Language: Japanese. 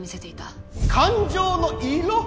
感情の色。